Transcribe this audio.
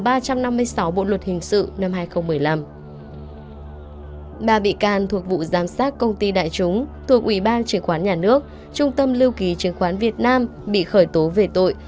ba bị can thuộc vụ giám sát công ty đại chúng thuộc ủy ban chứng khoán nhà nước trung tâm lưu ký chứng khoán việt nam bị khởi tố về tội